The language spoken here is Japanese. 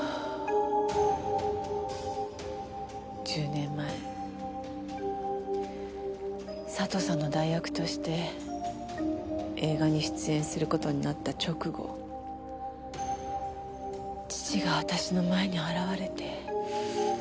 １０年前佐藤さんの代役として映画に出演する事になった直後父が私の前に現れて。